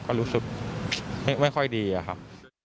ก็รู้สึกไม่ค่อยดีอะครับ